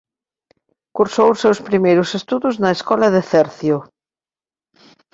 Cursou os seus primeiros estudos na escola de Cercio.